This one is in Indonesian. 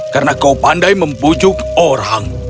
karena kau pandai membujuk orang